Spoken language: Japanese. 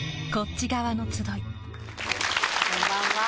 こんばんは。